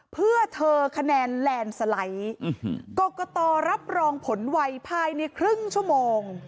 เพื่อเธอคะแนนแลนด์สไลด์กรกตรับรองผลไวภายในครึ่งชั่วโมง